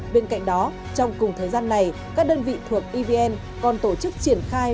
bên cạnh đó trong cùng thời gian này các đơn vị thuộc evn còn tổ chức triển khai